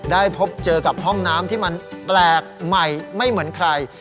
พบเจอกับห้องน้ำที่มันแปลกใหม่ไม่เหมือนใคร